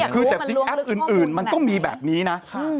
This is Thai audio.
คือแต่จริงแอปอื่นมันก็มีแบบนี้นะ